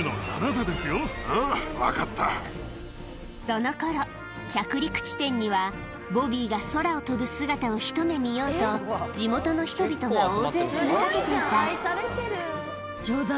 その頃着陸地点にはボビーが空を飛ぶ姿をひと目見ようと地元の人々が大勢詰め掛けていたよし行くぞ。